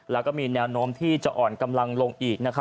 แล้วก็มีแนวโน้มที่จะอ่อนกำลังลงอีก